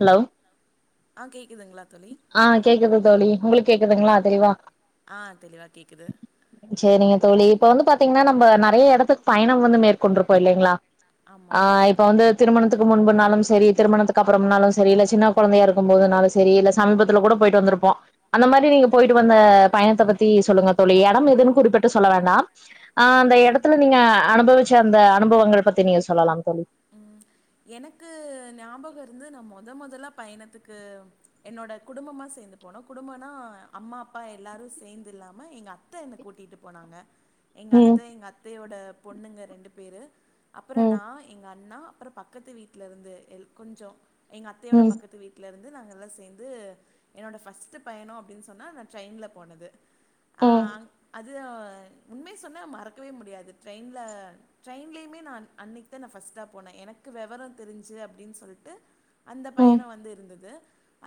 Hello ஆ‌ கேக்குதுங்களா தோழி ஆ கேக்குது தோழி உங்களுக்கு கேக்குதுங்களா தெளிவா ஆ தெளிவா கேக்குது செரிங்க தோழி இப்ப வந்து பாத்தீங்கன்னா நம்ம நறைய இடத்துக்கு பயணம் வந்து மேற்கொண்டுருப்போ இல்லைங்ளா ஆ ஆமாம் இப் இப்ப வந்து திருமணத்துக்கு முன்புன்னாலு செரி திருமணத்துக்கு அப்புறம்னாலு செரி இல்ல சின்ன கொழந்தையா இருக்கு போதுன்னாலு செரி இல்ல சமீபத்துல கூட போயிட்டு வந்திருப்போ அந்த மாரி நீங்க போயிட்டு வந்த பயணத்தை பத்தி சொல்லுங்க தோழி எடம் எதுன்னு குறிப்பிட்டு சொல்ல வேண்டா ஆ அந்த ஓகேங் எடத்துல நீங்க அனுபவிச்ச அந்த அனுபவங்கள பத்தி நீங்க சொல்லலா தோழி எனக்கு ஞாபகோ இருந்து நா மொத மொதலா பயணத்துக்கு என்னோட குடும்பமா சேந்து போன குடும்பனா அம்மா அப்பா எல்லாரு சேந்து இல்லாம எங்க அத்த என்ன கூட்டிட்டு போனாங்க எங்க ம் அத்த எங்க அத்தையோட பொண்ணுங்க ரெண்டு பேரு அப்றோ ம் நா எங்க அண்ணா அப்றோ பக்கத் பக்கத்து வீட்ல இருந்து கொஞ்சோ எங்க அத்தையோட ம் பக்கத்து வீட்டு வீ்ட்ல இருந்து நாங்க எல்லா சேந்து என்னோட ஃபஸ்ட்டு பயணோ அப்டின்னு சொன்னா நா ட்ரெய்ன்ல போனது ஆ ம் அங் அது உண்மைய சொன்ன மறக்கவே முடியாது ட்ரெயின்ல ட்ரெயின்லைமே நா அன்னைக்கு தா பஸ்ட்டா போன வெவரோ தெரிஞ்சு அப்டின்னு சொல்ட்டு அந்த ம் பயனோ வந்து இருந்தது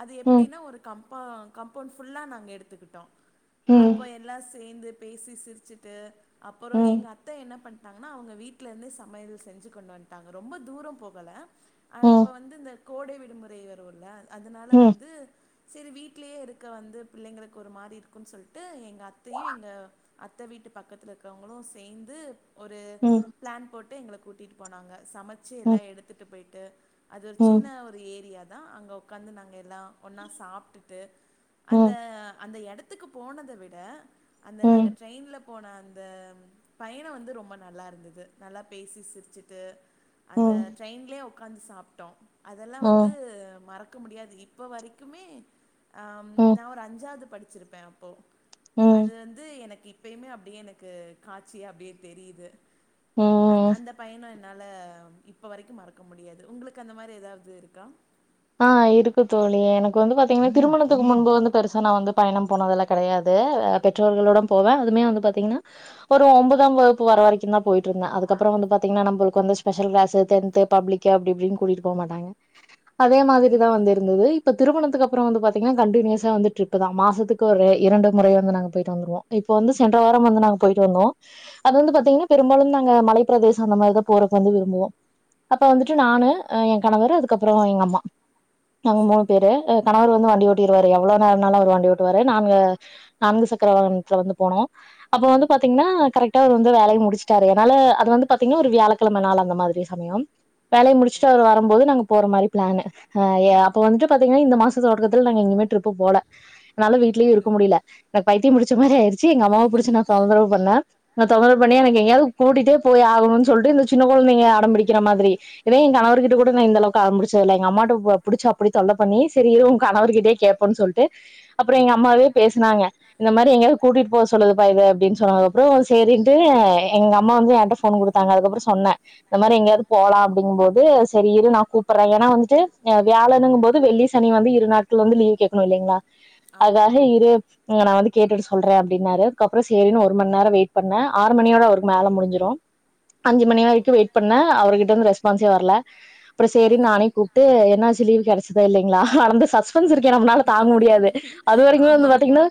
அது ம் எப்டின்னா ஒரு கம்பா கம்பௌண்ட் ஃபுல்லா நாங்க எடுத்துக்கிட்டோ ம் அப்போ எல்லா ஸ் சேந்து பேசி சிரிச்சுட்டு அப்பறோ ம் எங்க அத்த என்ன பண் தங்கனா அவங்க வீட்ல இருந்தே சமையல் செஞ்சு கொண்டு வன்டாங்க ரொம்ப தூரோ போகல அ ம் இப்ப வந்து இந்த கோடை விடுமுறை வருல அதனால ம் வந்து செரி வீட்லயே இருக்க வந்து பிள்ளைங்களுக்கு ஒரு மாரி இருக்குன்னு சொல்ட்டு எங்க அத்தையு எங்க அத்த வீட்டு பக்கத்துல இருக்கவங்களு சேந்து ஒரு ம் பிளான் போட்டு எங்கள கூட்டீட்டு போனாங்க சமைச்சு ம் எல்லா எடுத்துட்டு போய்ட்டு அத் ஒர் ம் சின்ன ஒரு ஏரியா தா அங்க ஒக்காந்து நாங்க எல்லா ஒன்னா சாப்ட்டுட்டு அந்த ம் அந்த யடத்துக்கு போனத விட அந்த ம் நங்கன் ட்ரைய்ன்ல போன அந்தம் பயணோ வந்து ரொம்ப நல்லா இருந்தது நல்லா பேசி சிர்ச்சிட்டு அந்த ம் ட்ரெய்ன்லே உக்காந்து சாப்ட்டோ அதெல்லா வந்து ம் மறக்க முடியாது இ ப்போ வரைக்குமே ஆம் ம் நா ஒரு அஞ்சாவ்து படிச்சிருப்பே அப்போ ம் அதுந்த் து எனக்கு இப்பயுமே அப்டியே எனக்கு காட்சி அப்டியே தெரியுது அந் ம் அந்த பய்ணோ என்னாலம் இப் இப்ப வரைக்கும் மறக்க முடியாது உங்களுக்கு அந்த மாரி எதாவ்து இருக்கா ஆ இருக்கு தோழி எனக்கு வந்து பாத்தீங்கன்னா திருமணத்துக்கு முன்பு வந்து பெருசா நா வந்து பயணம் போனதுலக் கெடையாது அ பெற்றோர்களோடம் போவே அதுமே வந்து பாத்தீங்கின்னா ஒரு ஒம்பதாம் வகுப்பு வர வரைக்குன்தான் போய்ட்ருந்தே அதுக்கப்பற வந்து பாத்தீங்கன்னா நம்பள்க்கு வந்து ஸ்பஷல் க்ளாஸு தென்த்து பப்ளிக் கே அப்டி இப்டின் கூட்டிட்டு போ மாட்டாங்க அதே ஆமா. மாதிரிதா வந்து இருந்ததெய் இப்ப திருமணத்துக்கு அப்ற வந்து பாத்தீங்கன்னா கண்டின்யூஸா வந்துட்ருக்குதா மாசத்துக்கு ஒரு இரண்டு முறை வந்து நாங்க போய்ட்டு வந்துருவோ இப்போ வந்து சென்ற வாரம் வந்து நாங்க போய்ட்டு வந்தோ அது வந்து பாத்தீங்னே பெரும்பாலு நாங்க மலை ப்ரதேசம் அந்த மாரிதா போற கொஞ்சு விரும்புவோ அப்பா வந்துட்டு ஓகேங்க நானு தோழி. அ என் கணவரு அதுக்கப்றோ எங் அம்மா நவ மூணு சரிங்க. பேரு அ கணவர் வந்து வண்டி ஓட்டிருவாரு எவ்ளோ நேர்னாலு அவர் வண்டி ஓட்டுவாரு நாங்க நான்கு சக்கரவாகனத்துல வந்து போனோ அப்போ வந்து பாத்தீங்னா கரக்டா அவர் வந்து வேலைய முடிச்சிட்டாரு அத்னால அது வந்து பாத்தீங்னா ஒரு வ்யாலக் க்லம நாள் அந்த மாதிரி சம்யம் ஆ வேலைய முடிச்சுட்டு ஓகேங்க. அவர் வரும்போது நாங்க போற மாரி ப்ளான்னு ஹ ஏ அப்ப வந்துட்டு பாத்தீங்கன்னா இந்த மாஸ் ஸி ஸோட்டுக்கத்தில் நாங்க இங்யுமே ட்ரிப்பு போல னால வீட்டிலியு இருக்க முடில நக் பைத்தியம் முடிச்ச மாரே ஆய்ரி ச்சி எங்க அம்மாாவ புடிச்சி நா கவ்ந்தரவு பண்ண நா தொந்தரவ் பண்யே எனக்கே எங்யாவு கூட்டிட்டே போய் ஆகணுன் சொல்ட்டு இந்த சின்ன கொழ்ன்தைங்க அடம்பிடிக்கிற மாதிரி எடே என் கணவர்கிட்ட கூட நா இந்தளவுக்கா ஆம்புடிச் சோல்ல எங்க அம்மாட்ட போ புடிச்சு அப்படி தொல்ல பண்ணி சரி இரவும் கணவர் கிட்டே கேப்போன் சொல்ட்டு அப்றோ எங்க அம்மாவே பேசினாங்க இந்த மாரி எங்யாவ் கூட்டிட்டு போ சொல்லுது பா இது அப்டின் சொன்னது அப்றோ ஸி தேரின்ட்டு எங்க அம்மா வந்து என்கிட்ட ஃபோன் குடுத்தாங்க அதுக்கப்றோ சொன்னே இந்த மாரி எங்யாவ்து போலா அப்டிங் போது சரி இரு‌ நா கூப் ப்ரயனா வந்துட்டு ஏ வ்யாலன்னுங்கும் போது வெள்ளி சனி வந்து இரு நாட்கள் வந்து லீவு கேக்ணு இல்லைங்ளா அதாஹ ஆமாம் இரு இங்க நா வந்து கேட்டுட்டு சொல்றே அப்டின்னாரு கப்றோ சேரின்னு ஒருமண் நேர வெய்ட் பண்ண ஆறு மணியோட அவருக்கு மேல முடிஞ்சிரு அஞ்சு மணி ஓ வரைக்கு வெய்ட் பண்ண அவர் கிட்டந்து ரெஸ்பான்ஸே வர்ல தேரி நானே கூப்ட்டு என்னாச்சு லீவ் கெடச்சதா இல்லைங்ளா‌ அளந்து சஸ் ப்பன்ஸ் இருக்கு ஏனா நம்மளால தாங்க முடியாது அது வரைக்குமே வந்து ஆமாமா பாத்தீங்னா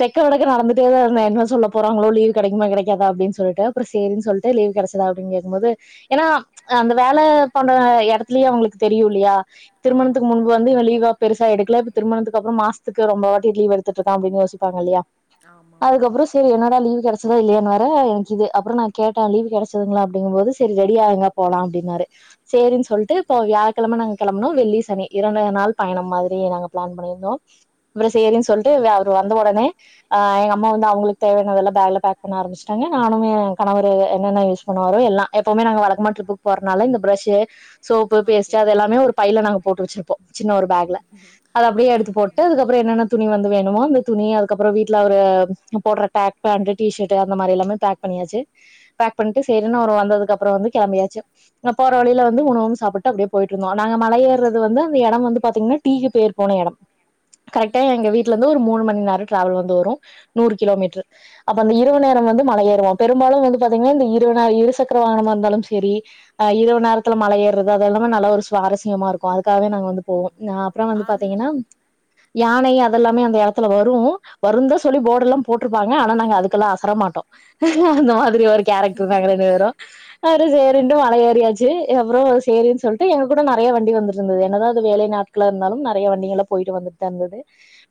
தெக்க வடக்க நடந்துட்டே தா இருந்தே என்ன சொல்ல போறாங்ளோ லீவ் கெடைக்குமா கெடைக்காதா அப்டின் சொல்லிட்டு அப்ற சேரின் சொல் து லீவ் கெடச்சதா அப்டின் கேக்கும்போது ஏனா அந்த வேல பன்றஅ யடத் த்லியா அவ்ங்ளுக் தெரியு லுயா ஆமாமாம் திருமணத்துக்கு முன்பு ஆமாம் வந்து இவ லீவாப் பெருசா எடுக்ல இப்ப திருமணத்துக்கு அப்றம் மாஸ்த்துக்கு ரொம்ப வாட்டிட் லீவ் எடுத்துட்ருக்கா அப்பின் யோசிப்பாங்கல்லையா ஆமாம் அதுக்கப்றோஸ் தெரி என்னடா லீவ் கெடச்சதா இல்லயான் வேர எனக்கிது அப்றோ நா கேட்ட லீவ கெடச்சதுங்ளா அப்டிங்கும்போது செரி ரெடி ஆய்ங்கப் போலா அப்டின்னாரு சேரின் சொல்ட்டு போ வ்யாழ்க்கெழம நங் கெளம்ப்னோ வெள்ளி சனி இரண்டு நாள் பயணம் மாதிரி நாங்க ப்ளான் பண்ணிர்ந்தோம் அப்புறோ செரின்ன்னனு சொல்லிட்டு வே அவரு வந்த உடனே ஆ எங்க அம்மா வந்து அவங்களுக்கு தேவையானதல்ல பேக்ல பேக் பண்ண ஆரம்பச்சுட்டாங்க நானு எ கணவரு என்னென்ன யூஸ் போன வரு எல்லா எப்பவுமே நாங்க வழக்கமா ட்ரிப்புக்கு போறனால இந்த பிரஷ்சு சோப்பு ஓகே பேஸ்ட் அது ஓகே எல்லாமே ஒரு பையில நாங்க போட்டு வச்சுருப்போ சின்ன ஒரு பேக்ல அது அப்டியே எடுத்து ஓகேங்க போட்டு அதுக்கப்புறோ என்னென்ன துணி வந்து வேணுமோ அந்த துணி அதுக்கப்புறோ வீட்டுல அவரு போடுற ட்ராக் பேண்ட் டி ஷர்ட் அந்த மாரி எல்லாமே பேக் பண்ணியாச்சு பேக் பண்ட்டு சேரினு அவரு வந்ததுக்கு அப்புறோ வந்து கெளம்பியாச்சு அ போற வழியில வந்து ஒனு ஒன்னு சாப்பிட்டு அப்டியே போயிட்டு இருந்தோ நாங்க மலை ஏறுறது வந்து அந்த எடம் வந்து பாத்தீங்கன்னா டீ யூக்கு பேர் போன எடம் கரெக்டா ம் எங்க வீட்டுல ஓகேங்க இருந்து ஒரு மூணு மணி நேரோ ட்ராவல் வந்து வரும் நூறு கிலோமீட்ரு அப்ப அந்த இரவு நேரம் வந்து மலையேறுவோம் பெரும்பாலும் வந்து பாத்தீங்கன்னா இந்த இரவு நேரோ இரு சக்கர வாகனமா இருந்தாலும் செரி ஆ இரவு நேரத்துல மலை ஏர் பிரதர் அது எல்லாமே நல்லா ஒரு சுவாரசியமா இருக்கு அதுக்கவே நாங்க வந்து போவோம் ஆ அப்புறோ வந்து அன் பாத்தீங்கன்னா யானை அதெல்லாமே அந்த இடத்துல வரு வருந்தா சொல்லி போர்ட எல்லா போட்டிருப்பாங்க ஆனா நாங்க அதுக்கெல்லா ஆச பட மாட்டோ அந்த மாதிரி ஒரு கேரக்டர் நாங்க ரெண்டு பேரு அப்றோ ஆ சேரின்ட்டு மலை ஏறியாச் சு எப்ரோஸ் சேரின்னு சொல்லிட்டு எங்க கூட நெறையா வண்டி வந்துட்டுயிருந்தது என்னதா அது வேலை நாட்காளா இருந்தாலும் நெறையா வண்டிகளா போயிட்டு வந்துட்டுதா இருந்தது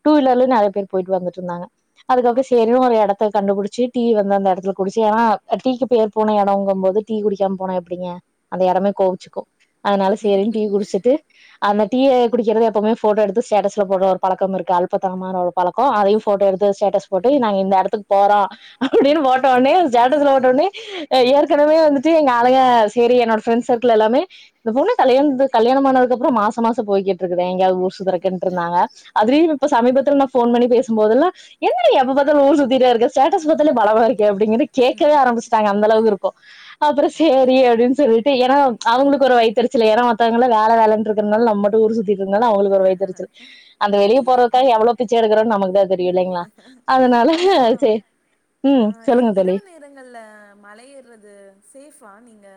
டூ வீலர்ல நெறையா பேர் போயிட்டு வந்துட்டு இருந்தாங்க அதுக்கப்புறோ சேரினு ஓகேங்க ஒரு எடத் த கண்டுபுடிச்சு டீ வந்து அந்த எடத்துல குடிச்சு ஏன்னா டீக்கு பேர் போன எடம்ங்கு போது டீ குடிக்காம போனா எப்டிங்க அந்த எடமே கோவிச்சுக்கு அதனால சேரின்னு டீ குடிச்சுட்டு அந்த டீய குடிக்கிறது எப்பவுமே போட்டோ எடுத்து ஸ்டேட்டஸ்ல போடுற ஒரு பழக்கம் இருக்கு அல்பதனமான ஒரு பழக்கோ அதையு போட்டோ எடுத்து ஸ்டேட்டஸ் போட்டு நாங்க இந்த எடத்துக்கு போறோ அப்டின்னு போட்ட ஒன்னே ஸ்டேட்டஸ்ல போட்ட ஒன்னே ஏற்கனவே வந்துட்டு எங்க ஆழுக செரி என்னோட ஃப்ரெண்ஸ் சர்க்கிள் எல்லாமே இந்த பொண்ணு கல்யாணத்து கல்யாணம் ஆனதுக்குப்புறோ மாச மாசோ போய்கிட்டு இருக்குதே எங்கயாவது ஊர் சுத்துறதுகுன்ட்டு இருந்தாங்க அதிலயு இப்ப சமீபத்துல நா போன் பண்ணி பேசுபோதெல்லா என்னடி எப்ப பாத்தாலு ஊர் சுத்தீட்டே இருக்க ஸ்டேட்டஸ் பாத்தாலே பலமா இருக் எப்டிங்கிறது கேட்கவே ஆரமிச்சுட்டாங்க அந்த அளவுக்கு இருக்கு அப்பரோ சேரி ஓகேங்க அப்டின்னு சொல்லிட்டு ஏன்னா ச் அவங்களுக்கு ஒரு வைத்தெருச்சலு ஏனா மத்தவங்கெல்லா வேல வேலன்ட்டு இருக்கறனால நம்ம மட்டு ஊர்சுத்திட்டு இருகனால அவங்களுக்கு ஒரு வய்த்தெரிச்சல் அந்த வெளிய புரியுது போறதுக்காக எவ்ளோ பிச்சை எடுக்கரோனு நமக்கு தா தெரியு இல்லைங்களா அதனால ஆனா சேரி ம் ஆ இ சொல்லுங்க தோழி இரவு நேரங்கள்ல மலை ஏற்றது சேஃபா நீங்க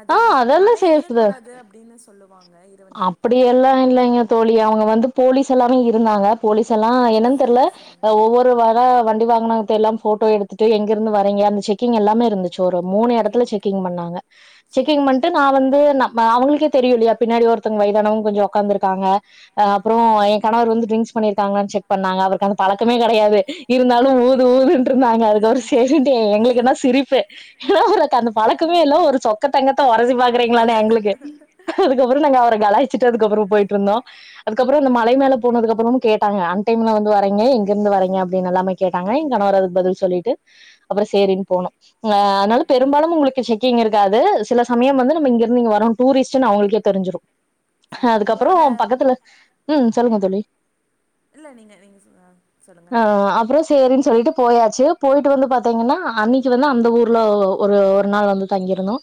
அது ஆ மல அதெல்லாம் ஏறக்கூடாது அப்டின்னு சொல்லுவாங்க இரவு நேரத்துல அப்டி எல்லா இல்லைங்க தோழி அவங்க வந்து போலீஸ் எல்லாரு இருந்தாங்க போலீஸ் எல்லா என்னனு தெர்ல சேரி அ சேரிங்க ஒவ்வொரு ட்டு வர வண்டி வாகனத்த எல்லாம் போட்டோ எடுத்துட்டு எங்கிருந்து வரீங்க அந்த செக்கிங் எல்லாமே இருந்து ச்சு ஒரு மூணு ஓகே எடத்துல செக்கிங் ஓகேங்க பண்ணாங்க செக்கிங் சேரிங்க பண்ணிட்டு நா வந்து நம்ம அவங்களுக்கே தெரியு இல்லையா பின்னாடி ஒருத்தவங்க வயதானவங்க கொஞ்சோ உட்காந்துருகாங்க அ ஆ அப்றோ எ கணவர் வந்து டிரிங்க்ஸ் பண்ணியிருக்காங்களான்னு செக் பண்ணாங்க அவருக்கு அந்த பழக்கமே கெடையாது இருந்தாலு ஓகே ஊது ஓகே ஊதுன்று இருந்தாங்க அதுக்கப்புறோ சேரின்ட்டு எங்களுக்குகெல்லா சிரிப்பு அவ்ருக்கு அந்த பழக்கமே இல்ல ஒரு சொக்க தங்கத்த ஒரைசி பாக்குறீங்களானே எங்களுக்கு அதுக்கப்புறோ நாங்க அவர கலாய்சிட்டு அதுக்கப்புறோ போயிட்டு இருந்தோ அதுக்கப்புறோ அந்த மலை மேல போனதுக்கப்புறமு கேட்டாங்க அன் டைம்ல வந்து வரைங்க எங்க இருந்து வரைங்க அப்டினு எல்லாமே கேட்டாங்க ஏ கணவரதுக்கு பதில் சொல்லிட்டு அப்புறோ சேரின்னு போனோ ஆ அதனால பெரும்பாலும் உங்களுக்கு செக்கிங் இருக்காது சில சமயம் வந்து நம்ம இங்கிருந்து இங்க வரோ டூரிஸ்ட் ச்சுனு அவங்களுக்கே தெரிஞ்சுரு சேரி அதுக்கப்புறோ உங்களோட பக்கத்துல ம் சொல்லுங்க தோழி இல்ல நீங்க நீங்க சொல் சொல்லுங்க ஆ அப்புரோ சேரின்னு சொல்லிட்டு போயாச்சு போயிட்டு வந்து பாத்தீங்கன்னா அன்னைக்கு வந்து அந்த ஊர்ல ஓ ஒரு ஒரு நாள் வந்து தங்கிருந்தோ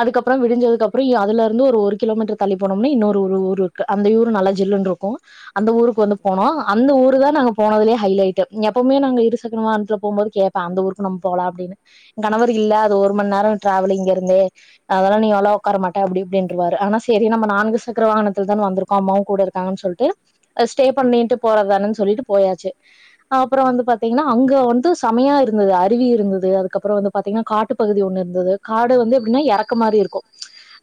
அதுக்கப்புறோ விடிஞ்சதுக்கு அப்புறோ அதுல வந்து ஒரு ஒரு கிலோமீட்டர் தள்ளி போனோம்னா இன்னொரு ஒரு ஊரு இருக்கு அந்த ஊரு நல்லா ஜில்லுனு இருக்கு அந்த ஊருக்கு வந்து ஓகேங்க போனோ அந்த ஊரு தா நாங்க போனதுலே ஹைலைட்டு எப்பவுமே நாங்க இரு சக்கர வாகனத்துல போம்போது கேப் ப்ப அந்த ஊர்க்கு நம்ம போலா அப்டின்னு கணவர் இல்ல அது ஒரு மண்நேரோ டிராவல் இங்க இருந்தே அதெல்லா நீ எல்லா உக்கார மாட்ட அப்டி அப்டின்டுருவாரு ஆனா செரி நம்ம நான்கு சக்கர வாகனத்துல தான வந்திருக்கோ அம்மாவு கூட இருக்காங்கன்னு சொல்லிட்டு அப் அ ஸ்டே பண்ணிட்டு போறதுதானே சொல்லிட்டு போயாச்சு அப்ரோ வந்து பாத்தீங்கன்னா அங்க வந்து சேமையா இருந்தது அருவி இருந்தது அதுக்கப்புறோ வந்து பாத்தீன்னா காட்டு பகுதி ஒண்ணு இருந்தது காடு வந்து எப்டின்னா எறக்க மாவே இருக்கு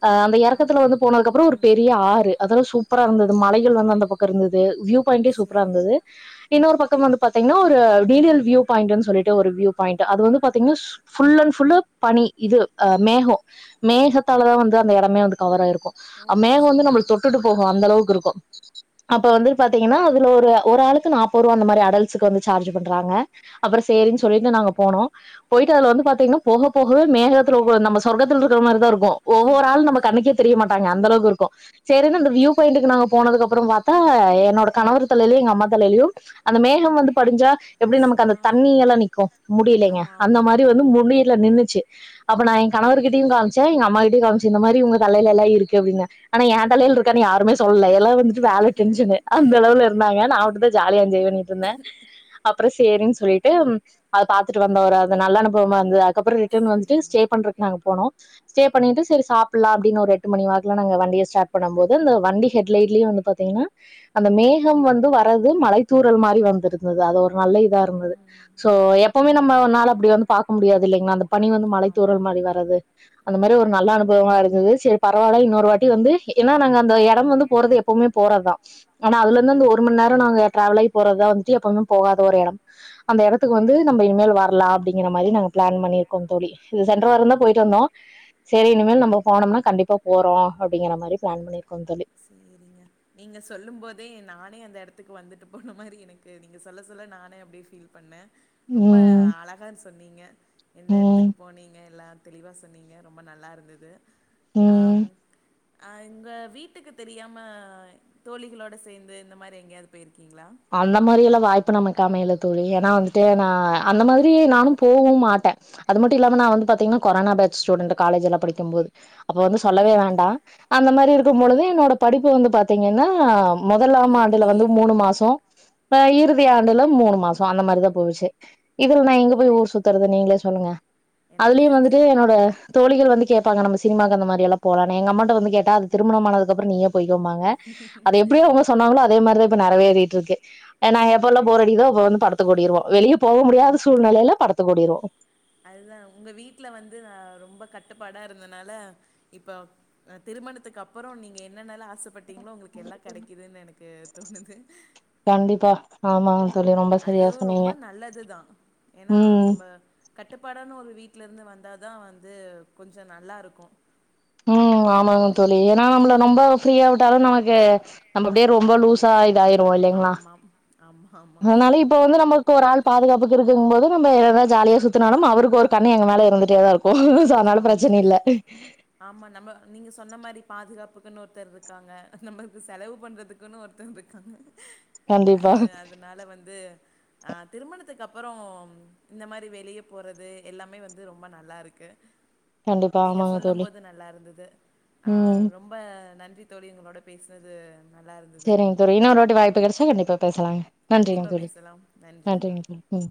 ம்ச் இந்த ஆ எறக்கத்துல வந்து போனதுகப்புரோ ஒரு ம் பெரிய ஆறு அதல்லா சூப்பரா இருந்தது ஓகே மலைகள் வந்து அந்த பக்கோ இருந்தது வியூ பாயிண்டே சூப்பரா சேரி இருந்தது இன்னொரு பக்கம் வந்து பாத்தீங்கன்னா ஒரு டீடியல் வியூ பாயிண்ட்ன்னு சொல்லிட்டு ஒரு வியூ பாயிண்ட்டு அது வந்து பாத்தீங்கன்னா சூப் புல் அண்டு புல்லு பனி இது மேகோ மேகத்தாலதா வந்து அந்த எடமே மே வந்து கவர் ஆயிருக்கு ஓ ஆ மேகோ வந்து சூப்பர் நம்மல தொட்டுட்டு போகு அந்த அளவுக்கு இருக்கு அப்ப வந்துட்டு பாத்தீங்கன்னா அதுல ஒரு ஒரு ஆளுக்கு நாப்பூர்வா அந்த மாரி அடல்ஸ்க்கு வந்து சார்ஜ் பண்றாங்க அப்புறோ சேரின்னு சொல்லிட்டு நாங்க போனோ போயிட்டு அதுல வந்து பாத்தீங்கன்னா போக போகவே மேகத்தில நம்ம சொர்கத்தில இருக்குற மாரிதா இருக்கு ஒவ்வொரு ஆள் நமக் கண்ணுக்கே தெரிய மாட்டாங்க அந்த அளவுக்கு இருக்கு செரின்னு அந்த வியூ பாயிண்ட்டுக்கு நாங்க போனதுக்கப்புறோ பாத்தா என்னோட கணவர் தலையிலயு எங்க அம்மா தலையிலயு அந்த மேகம் வந்து படிஞ்சா எப்பிடி நமக்கு அந்த ஆ தண்ணி எல்லா நிக்கு முடியலைங்க ஆமா அந்த ஆமா மாரி வந்து ம் முடில நின்னுச்சி அப்ப நா எங் கணவர் கிட்டயு காம்ச்சே எங்க அம்மா கிட்டயு காமிச்சே இந்த மாரி உங்க தலையிலெல்லா இருக்கு அப்டின்னு ஆனா எ தலையில இருக்கான்னு யாருமே சொல்லல்ல ல்லா வந்துட்டு வேல டென்ஷனு அந்த அளவுல இருந்தாங்க நா மட்டுந்தா ஜாலியா என்ஜாய் பண்ணிட்ருந்தே அப்றோ சேரின் சொல்லிட்டு அது பாத்துட்டு வந்தோ ஒரு அது நல்ல அனுபவமா இருந்துது அதுக்கப்றோ ரிட்டன் வந்துட்டு சேரிங்க ஸ்டே பண்றக்கு நாங்க போனோ ஸ்டே பண்ணிட்டு செரி சாப்புட்லா ன்னு ஒரு எட்டு மணி வாக்குல நாங்க வண்டிய ஸ்டாட் பண்ணும் போது இந்த வண்டி ஹெட் லைட்லயு வந்து பாத்தீங்கன்னா அந்த மேகம் வந்து வர்றது மழை தூறல் மாரி வந்திருந்தது அது ஒரு நல்ல இதா இருந்தது ம் சோ எப்பமே நம்ம ஒன்னால அப்டி வந்து பாக்க முடியாது இல்லைங்கலா அந்த பனி வந்து மழை தூறல் ஆமாம் மாரி வர்றது ஆ அந்த மாரி ஒரு நல்ல அனுபவமா இருந்தது செரி பரவால்ல இன்னொரு வாட்டி வந்து ஏன்னா நாங்க அந்த எடம் வந்து போறது எப்பவுமே போறதுதா ஆனா அதுலர்ந்து அந்த ஒரு மண்நேரோ நாங்க ட்ரவல் ஆயி போறதுதா வந்துட்டு எப்பவுமே போகாத ஒரு எடம் அந்த எடத்துக்கு வந்து நம்ம இனிமேல் வர்லா அப்டிங்க மாரி நாங்க ப்ளான் பண்ணிருக்கோ தோழி இது சென்ற வாரந்தா போயிட்டு வந்தோ செரி இனிமேல் நம்ம போனோமுனா கண்டிப்பா போறோ அப்டிங்கிற மாரி ப்ளான் பண்ணிருக்கோம் தோழி செரிங்க நீங்க சொல்லு போதே நானே அந்த எடத்துக்கு வந்துட்டு போன மாரி எனக்கு நீங்க சொல்ல சொல்ல நானே அப்டி ஃபீல் பண்ணே ரொம்ப ம் அழகா சொன்னீங்க எந்த ம் எடத்துக்கு போனீங்க எல்லா தெளிவா சொன்னீங்க ரொம்ப நல்லா இருந்தது ஆ ம் ஆ உங்க வீட்டுக்கு தெரியாம தோழிகளோட சேந்து இந்த மாரி எங்கயாவது போயிருக்கீங்களா அந்த மாரியல்லா வாய்ப்பு நமக்கு அமையல தோழி ஏனா வந்துட்டு நா அந்த மாதிரி நானு போகவு மாட்ட அதுமட்டு இல்லாம நா வந்து பாத்தீங்கன்னா கொரோனா பேட்ச் ஸ்டூடண்ட் காலேஜெல்லா படிக்கு போது அப்ப வந்து ஓ, சொல்லவே வேண்டா அந்த மாரி இருக்கும் ஆமா பொழுது என்னோட படிப்பு வந்து பாத்தீங்கன்னா அ மொதலாம் ஆண்டுல வந்து வீட்லயே மூணு மாசோ ஆ இறுதி ஆண்டுல மூணு மாசோ அந்த மாரிதா போச்சே இதுல நா எங்க போய் ஊர் சுத்துறது நீங்ளே சொல்லுங்க எனக்கு அதுலியு வந்துட்டு தெரிஞ்சு என்னோட தோழிகள் வந்து கேப்பாங்க நம்ம சினிமாக்கு அந்த மாரியெல்லா போலானு எங்க அம்மாட்ட வந்து கேட்டா அது திருமணமானதுக்கப்றோ நீயே போய்க்கோம்பாங்க அது எப்டியவுங்க சொன்னாங்களோ அதே மாரிதா இப்ப நெறவேறிட்ருக்கு அ நாங்க எப்பொல்லா போரடிக்குதோ அப்ப வந்து படத்துக்கோடிருவோ வெளிய போக முடியாத சூழ்நிலைல படத்துக் ஓடிருவோ அதுதா உங்க வீட்ல வந்து ந ரொம்ப கட்டுப்பாடா இருந்தனால இப்ப அ திருமணத்துக்கு அப்புறோ நீங்க என்னென்னலா ஆ சப் பட்டீங்ளோ உங்களுக்கு எல்லா கெடைக்குதுன் எனக்கு தோணுது கண்டிப்பா ஆமாங்க தோழி ரொம்ப சரியா அதுவு சொன்னீங்க ரொம்ப நல்லதுதா ஏனா ம் நம்ம கட்டுப்பாடான ஒரு வீட்லருந்து வந்தாதா வந்து கொஞ்சோ நல்லாருக்கு ம் ஆமாங்க தோழி ஏனா நம்ப்ள ரொம்ப ஃப்ரீயா விட்டாலு நமக்கு நம்ம அப்டியே ரொம்ப லூஸா இதாயிருவோ இல்லைங்களா ஆமாம் ஆமா ஆமா அதுனால இப்ப வந்து நம்மளு க்கு ஒரு ஆள் பாதுகாப்புக்கு இருக்குங்போது நம்ம எதா ஜாலியா சுத்துனாலு அவருக்கு ஒரு கண்ணு எங்கமேல இருந்துட்டேதா இருக்கு சோ அத்னால ஆமா ப்ரெச்சன இல்ல ஆமா நம்ம நீங்க சொன்ன மாரி பாதுகாப்புக்குன் ஒருத்தர்ருக்காங்க நம்மளுக்கு செலவு பண்றதுக் குனு ஒருத்தங்ருக்காங்க கண்டிப்பா அது அதுனால வந்து அ திருமணத்துக்கப்புறோ இந்த மாரி வெளிய போறது எல்லாமே வந்து ரொம்ப நல்லாருக்கு கண்டிப்பா நீங்க ஆமாங்க தோழி சொல்லும்போது நல்லாருந்துது ஆ ம் ரொம்ப நன்றி தோழி அங்களோட பேஸ்னது செரிங்க தோழி இன்னொருவாட்டி வாய்ப்பு கெடச்சா கண்டிப்பா பேசலாங்க நன்றிங்க கண்டிப்பா தோழி பேசலாம் நன்றி நன்றிங்க தோழி ம்